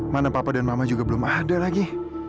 mana papa dan mama juga belum ada lagi